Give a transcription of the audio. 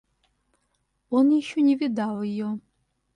Он еще не видал ее.